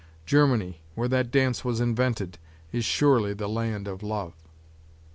Germany, where that dance was invented, is surely the land of love.